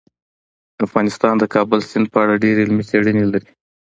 افغانستان د کابل سیند په اړه ډېرې علمي څېړنې لري.